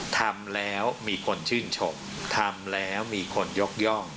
ทำแล้วมีคนชื่นชมทำแล้วมีคนยกย่อง